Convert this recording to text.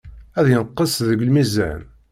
Ad yenqes deg lmizan.